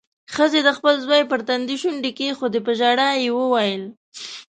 ښځې د خپل زوی پر تندي شونډې کېښودې. په ژړا کې يې وويل: